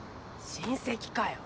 親戚かよ！